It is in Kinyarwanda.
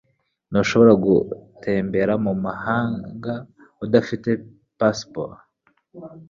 Ntushobora gutembera mumahanga udafite pasiporo.